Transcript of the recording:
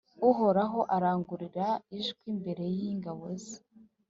Uhoraho ararangururira ijwi imbere y’ingabo ze!